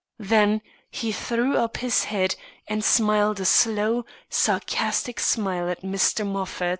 Then he threw up his head and smiled a slow, sarcastic smile at Mr. Moffat.